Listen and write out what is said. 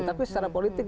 tapi secara politik